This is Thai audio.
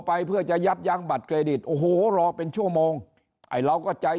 ไปเพื่อจะยับยั้งบัตรเครดิตโอ้โหรอเป็นชั่วโมงไอ้เราก็ใจ